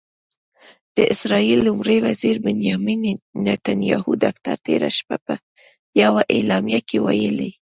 د اسرائیلي لومړي وزیر بنیامن نتنیاهو دفتر تېره شپه په یوه اعلامیه کې ویلي